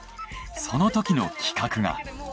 その時の企画が。